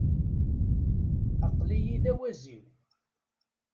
Aql-iyi d awaziw.